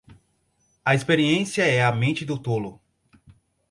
A experiência é a mente do tolo.